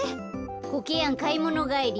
コケヤンかいものがえり？